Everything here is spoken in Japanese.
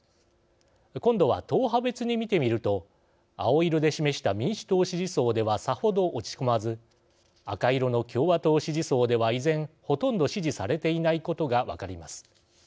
今度は党派別に見てみると青色で示した民主党支持層ではさほど落ち込まず赤色の共和党支持層では依然ほとんど支持されていないことが分かります。